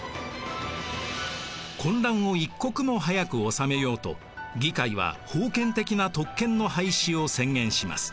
混乱を一刻も早く収めようと議会は封建的な特権の廃止を宣言します。